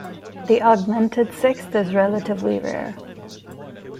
The augmented sixth is relatively rare.